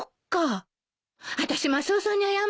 あたしマスオさんに謝ってくるわ。